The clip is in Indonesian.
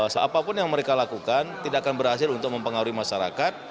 seapapun yang mereka lakukan tidak akan berhasil untuk mempengaruhi masyarakat